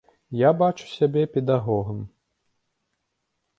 Я бачу сябе педагогам.